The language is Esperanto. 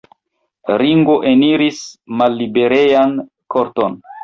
Ringo eniris malliberejan korton.